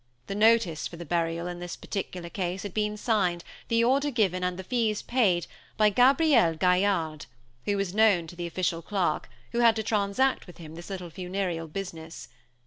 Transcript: The notice for the burial, in this particular case, had been signed, the order given, and the fees paid, by Gabriel Gaillarde, who was known to the official clerk, who had to transact with him this little funereal business.